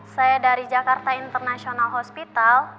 saya dari jakarta international hospital